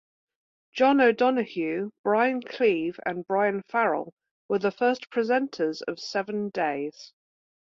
John O'Donoghue, Brian Cleeve and Brian Farrell were the first presenters of "Seven Days".